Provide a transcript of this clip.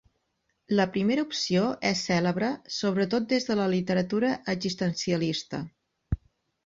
La primera opció és cèlebre sobretot des de la literatura existencialista.